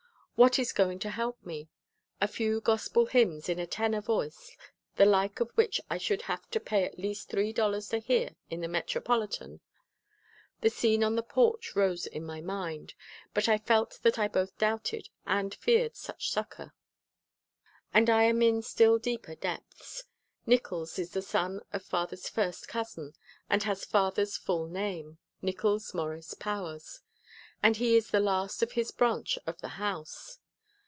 What is going to help me? A few gospel hymns in a tenor voice the like of which I should have to pay at least three dollars to hear in the Metropolitan? The scene on the porch rose in my mind, but I felt that I both doubted and feared such succor. And I am in still deeper depths. Nickols is the son of father's first cousin, and has father's full name, Nickols Morris Powers, and he is the last of his branch of the house.